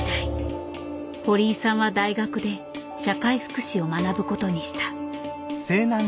堀井さんは大学で社会福祉を学ぶことにした。